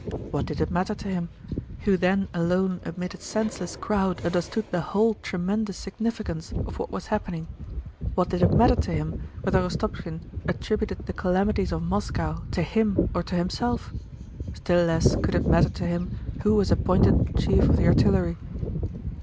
What did it matter to him—who then alone amid a senseless crowd understood the whole tremendous significance of what was happening—what did it matter to him whether Rostopchín attributed the calamities of Moscow to him or to himself? Still less could it matter to him who was appointed chief of the artillery.